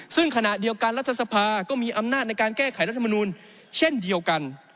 ซึ่งขณะเดียวกันรัฐสภาก็มีอำนาจในการแก้ไขรัฐมนูลเช่นเดียวกัน